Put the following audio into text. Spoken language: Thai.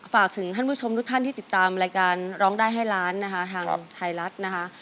ฝากถึงท่านผู้ชมทุกท่านที่ติดตามรายการร้องได้ให้ล้านนะคะทางไทยรัฐนะคะ